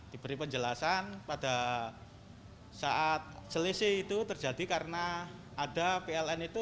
diberi penjelasan pada saat selisih itu terjadi karena ada pln itu